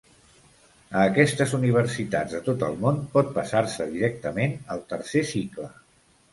A aquestes universitats de tot el món pot passar-se directament al tercer cicle.